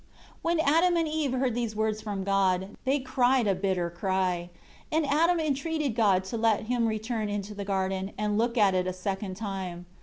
7 When Adam and Eve heard these words from God, they cried a bitter cry; and Adam entreated God to let him return into the garden, and look at it a second time.